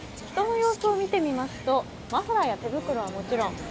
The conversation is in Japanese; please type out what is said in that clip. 人の様子を見てみますとマフラーや手袋はもちろん。